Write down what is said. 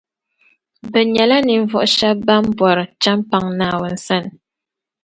bɛ nyɛla ninvuɣu shɛba ban bɔri chεmpaŋ Naawuni sani